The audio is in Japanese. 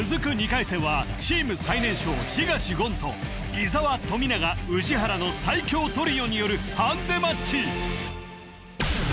２回戦はチーム最年少東言と伊沢富永宇治原の最強トリオによるハンデマッチ